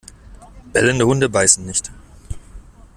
Bellende Hunde beißen nicht!